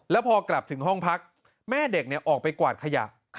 แล้วพอกลับถึงห้องพักแม่เด็กออกไปกวาดขยะ